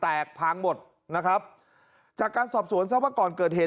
แตกพล้างหมดนะครับจากการสอบสวนเศรษฐ์ฮะก่อนเกิดเหตุ